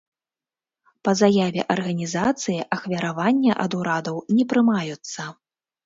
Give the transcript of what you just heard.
Па заяве арганізацыі, ахвяраванні ад урадаў не прымаюцца.